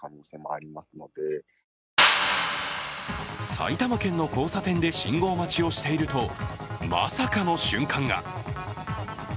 埼玉県の交差点で信号待ちをしていると、まさかの瞬間が。